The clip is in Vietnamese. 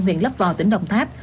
huyện lấp vò tỉnh đồng tháp